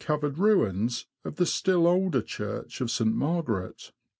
covered ruins of the still older church of St. Margaret.